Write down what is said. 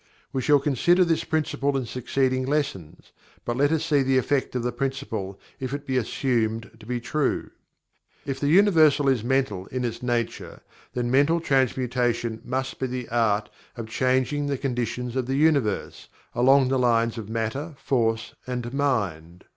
We shall consider this Principle in succeeding lessons, but let us see the effect of the principle if it be assumed to be true. If the Universe is Mental in its nature, then Mental Transmutation must be the art of CHANGING THE CONDITIONS OF THE UNIVERSE, along the lines of Matter, Force and mind.